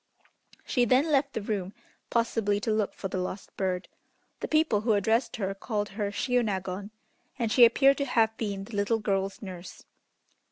She then left the room, possibly to look for the lost bird. The people who addressed her called her Shiônagon, and she appeared to have been the little girl's nurse.